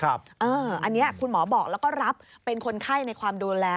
อันนี้คุณหมอบอกแล้วก็รับเป็นคนไข้ในความดูแล